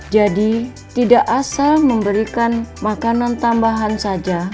jadi tidak asal memberikan makanan tambahan saja